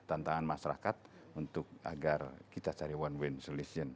tantangan masyarakat untuk agar kita cari one way solution